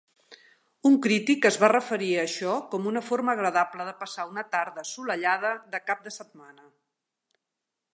Un crític es va referir a això com una forma agradable de passar una tarda assolellada de cap de setmana.